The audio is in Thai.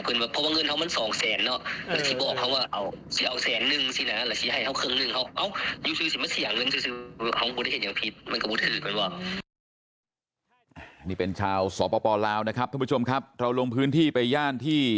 เป็นชาวต่อพออนาคต่องนะครับผมชมครับเราลงพื้นที่ไปจ้านที่